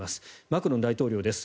マクロン大統領です。